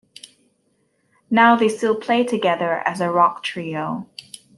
Now they still play together as a rock trio.